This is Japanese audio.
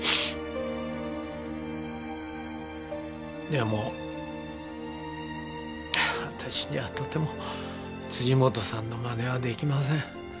でも私にはとても辻本さんの真似はできません。